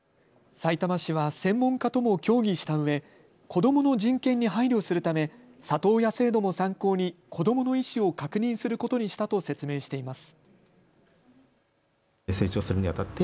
さいたま市は専門家とも協議したうえ、子どもの人権に配慮するため里親制度も参考に子どもの意思を確認することにしたと説明しています。